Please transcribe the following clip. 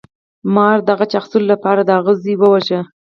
مار د غچ اخیستلو لپاره د هغه زوی وواژه.